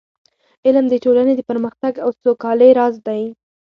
علم د ټولنې د پرمختګ او سوکالۍ راز دی.